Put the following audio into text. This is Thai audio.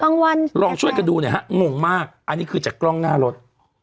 งงมากอันนี้คือจากกล้องหน้ารถ